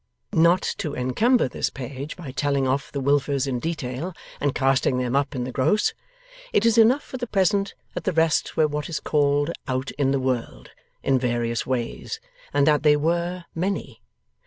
Not to encumber this page by telling off the Wilfers in detail and casting them up in the gross, it is enough for the present that the rest were what is called 'out in the world,' in various ways, and that they were Many.